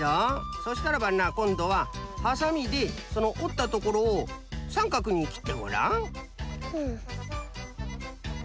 そしたらばなこんどはハサミでそのおったところをさんかくにきってごらん？